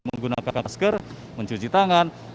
menggunakan masker mencuci tangan